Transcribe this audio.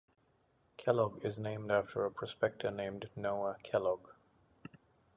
Kellogg is named after a prospector named Noah Kellogg.